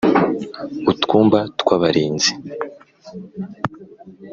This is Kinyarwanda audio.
Utwumba tw abarinzi